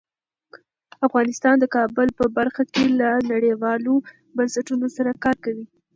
افغانستان د کابل په برخه کې له نړیوالو بنسټونو سره کار کوي.